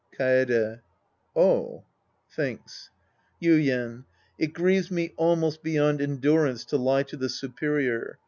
Kaede. Oh. {Thinks.) Yuien. It grieves me almost beyond endurance to lie to the superior.